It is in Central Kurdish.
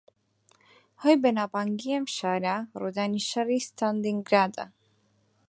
ھۆی بەناوبانگی ئەم شارە، ڕوودانی شەڕی ستالینگرادە